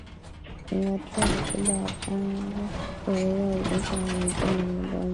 Zingatia ratiba ya chanjo kuzuia ugonjwa wa miguu na midomo